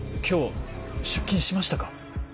今日出勤しましたか？